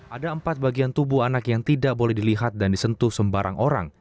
ada empat bagian tubuh anak yang tidak boleh dilihat dan disentuh sembarang orang